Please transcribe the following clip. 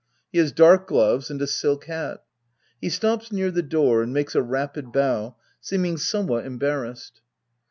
He has dark gloves and a silk hat. He stops near the door, and makes a rapid bow, seeming somewhat embarrassed.